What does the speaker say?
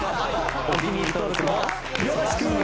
お気に入り登録もよろしく！